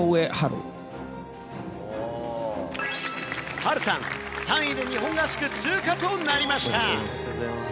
ハルさん、３位で日本合宿通過となりました。